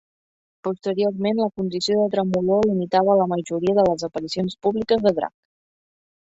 Posteriorment, la condició de tremolor limitava la majoria de les aparicions públiques de drac.